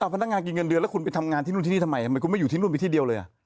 พนักงานกินเงินเดือนแล้วคุณไปทำงานที่นู่นที่นี่ทำไมทำไมคุณไม่อยู่ที่นู่นไปที่เดียวเลย